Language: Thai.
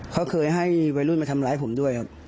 เขาเคยให้วัยรุ่นมาทำร้ายผมด้วยครับ